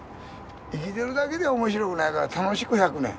生きてるだけでは面白くないから楽しく１００年。